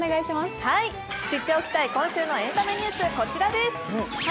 知っておきたい今週のエンタメニュース、こちらです。